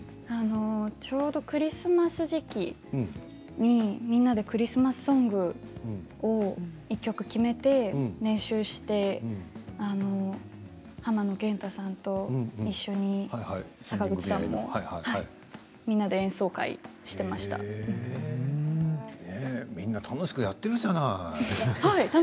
ちょうどクリスマス時期にみんなでクリスマスソングを１曲決めて練習して浜野謙太さんと一緒に坂口さんも、みんなでみんな楽しくやっているじゃない。